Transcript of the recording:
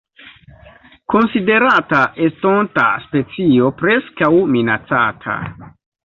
Konsiderata estonta specio Preskaŭ Minacata.